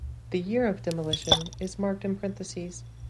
The year of demolition is marked in parentheses.